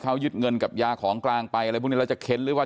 เขายึดเงินกับยาของกลางไปอะไรพวกนี้เราจะเค้นหรือว่า